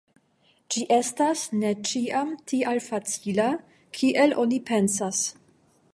Ĝi estas ne ĉiam tial facila, kiel oni pensas.